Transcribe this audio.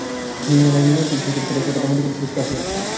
যেদিন আমার বিবাহ হয়েছিল সেইদিনকার কথাটা মনে করে শুষ্ক হাসি হাসলুম।